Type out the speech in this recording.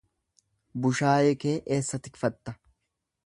Bushaayee kee eessa tikfatta?